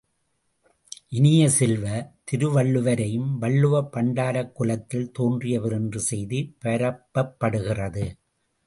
இனிய செல்வ, திருவள்ளுவரையும் வள்ளுவப் பண்டாரக்குலத்தில் தோன்றியவர் என்ற செய்தி பரப்பப்படுகிறது.